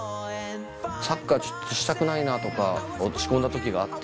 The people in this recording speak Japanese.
サッカーちょっとしたくないなとか落ち込んだ時があって。